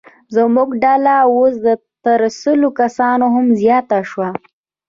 زموږ ډله اوس تر سلو کسانو هم زیاته شوه.